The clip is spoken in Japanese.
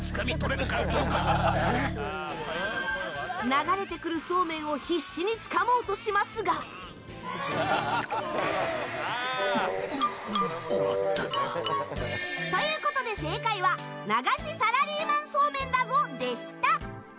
流れてくるそうめんを必死につかもうとしますが。ということで正解は「流しサラリーマンそうめんだゾ」でした！